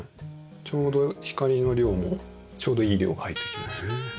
ちょうど光の量もちょうどいい量が入ってきます。